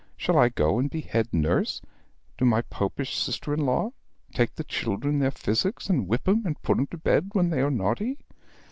Shall I go and be head nurse to my Popish sister in law, take the children their physic, and whip 'em, and put 'em to bed when they are naughty?